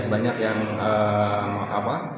banyak yang apa